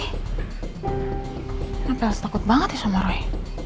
kenapa elsa takut banget ya sama roy